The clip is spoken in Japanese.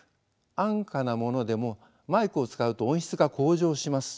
安価なものでもマイクを使うと音質が向上します。